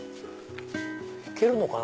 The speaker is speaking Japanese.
行けるのかな？